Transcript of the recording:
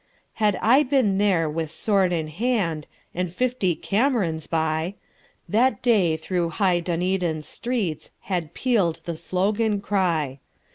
Had I been there with sword in hand, And fifty Camerons by, That day through high Dunedin's streetsHad peal'd the slogan cry.